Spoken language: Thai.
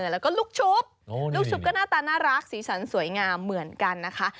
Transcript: แล้วก็ลูกชุบลูกชุบก็หน้าตาน่ารักสีสันสวยงามเหมือนกันนะคะ